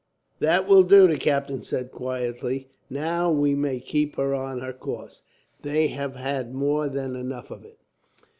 "That will do," the captain said, quietly. "Now we may keep her on her course. They have had more than enough of it."